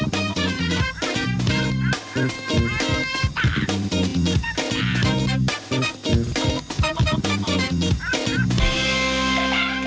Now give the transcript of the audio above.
โปรดติดตามตอนต่อไป